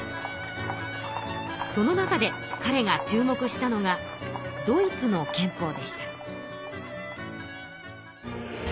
その中でかれが注目したのがドイツの憲法でした。